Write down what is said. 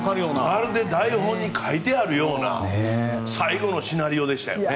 まるで台本に書いてあるような最高のシナリオでしたよね。